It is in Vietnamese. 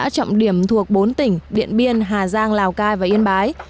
trọng điểm thuộc bốn tỉnh điện biên hà giang lào cai và yên bái